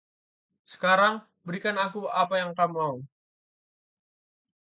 Sekarang berikan aku apa yang aku mau.